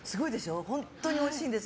本当においしいんです。